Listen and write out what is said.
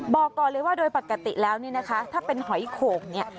บอกก่อนเลยว่าโดยปกติแล้วนี่นะคะถ้าเป็นหอยโข่งเนี่ย